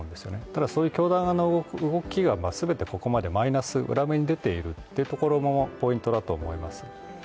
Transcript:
ただ、そういう教団側の動きがここまで裏目に出ているところもポイントだと思います。